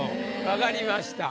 分かりました。